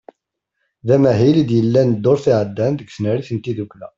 D amahil i d-yellan ddurt iɛeddan deg tnarit n tiddukla.